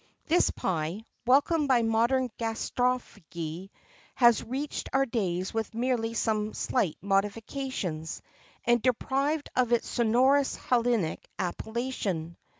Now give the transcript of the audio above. This pie, welcomed by modern gastrophagy, has reached our days with merely some slight modifications, and deprived of its sonorous Hellenic appellation.